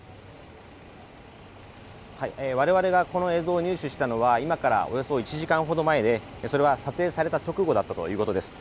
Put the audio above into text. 我々がこの映像を入手したのは今からおよそ１時間前で、それは撮影された直後だったということです。